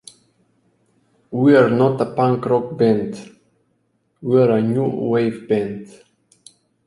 We're not a punk rock band, we're a new wave band.